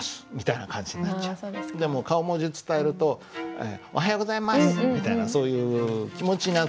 でも顔文字で伝えると「おはようございます！」みたいなそういう気持ちが伝わる。